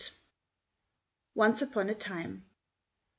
ONCE UPON A TIME.